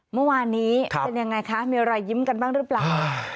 เมื่อวานนี้เป็นยังไงคะมีรอยยิ้มกันบ้างหรือเปล่า